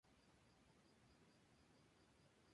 Luego la version para windows fue discontinuada.